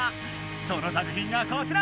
その作ひんがこちら！